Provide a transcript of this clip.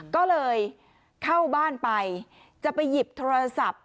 ก็เลยเข้าบ้านไปจะไปหยิบโทรศัพท์